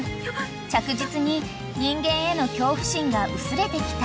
［着実に人間への恐怖心が薄れてきたルビー］